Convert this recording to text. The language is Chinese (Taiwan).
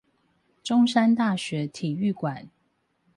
中山大學體育館